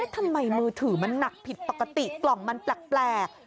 ทำไมมือถือมันหนักผิดปกติกล่องมันแปลก